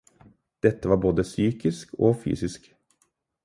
Dette var både psykisk og fysisk.